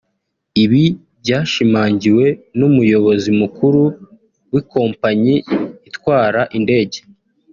Ibi byashimangiwe n’umuyobozi mukuru w’ikompanyi itwara indege